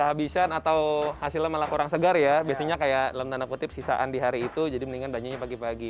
kehabisan atau hasilnya malah kurang segar ya biasanya kayak dalam tanda kutip sisaan di hari itu jadi mendingan banjirnya pagi pagi